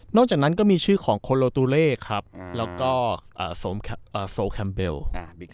นอกจากนั้นก็มีชื่อของครับแล้วก็อ่าสวมอ่าโซลแคมเบลอ่า